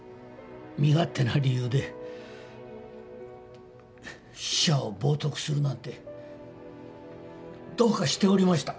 身勝手な理由で死者を冒涜するなんてどうかしておりました。